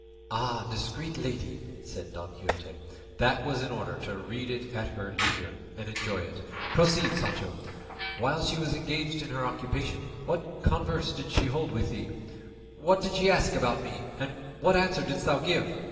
"Discreet lady!" said Don Quixote; "that was in order to read it at her leisure and enjoy it; proceed, Sancho; while she was engaged in her occupation what converse did she hold with thee? What did she ask about me, and what answer didst thou give?